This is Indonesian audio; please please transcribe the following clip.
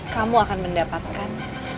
kamu akan mendapatkan